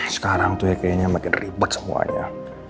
sekarang tuh ya kayaknya makin ribet semuanya